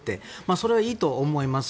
それはいいと思います。